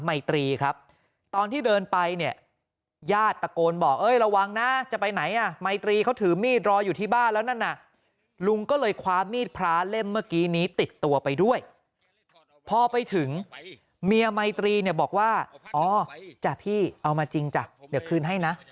เมียไมตรีเนี่ยบอกว่าอ๋อจ้ะพี่เอามาจริงจ้ะเดี๋ยวคืนให้นะ